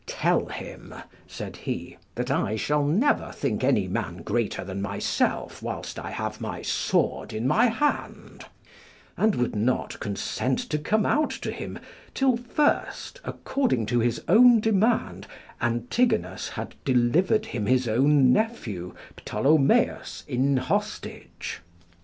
"Tell him," said he, "that I shall never think any man greater than myself whilst I have my sword in my hand," and would not consent to come out to him till first, according to his own demand, Antigonus had delivered him his own nephew Ptolomeus in hostage.